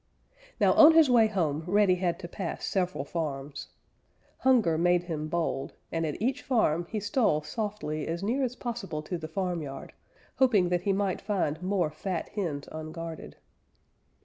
Now on his way home Ready had to pass several farms. Hunger made him bold, and at each farm he stole softly as near as possible to the farmyard, hoping that he might find more fat hens unguarded.